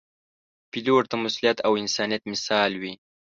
پیلوټ د مسؤلیت او انسانیت مثال وي.